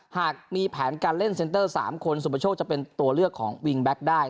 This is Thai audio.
หากมีแผนการเล่นเซ็นเตอร์๓คนสุประโชคจะเป็นตัวเลือกของวิงแบ็คได้